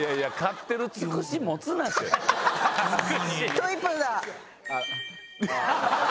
トイプーだ。